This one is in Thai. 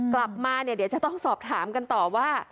กลับมาเนี่ยเดี๋ยวจะต้องสอบถามกันต่อว่า